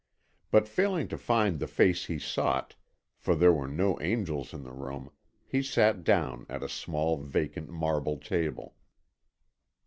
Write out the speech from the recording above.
But failing to find the face he sought, for there were no angels in the room, he sat down at a small vacant marble table.